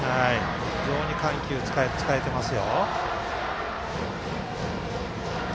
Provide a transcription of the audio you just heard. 非常に緩急使えています。